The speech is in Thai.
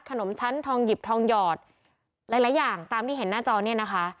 ขนมชั้นทองหยิบทองหยอดหลายหลายอย่างตามที่เห็นหน้าจอเนี่ยนะคะ